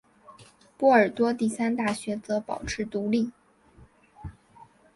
波尔多第三大学则保持独立。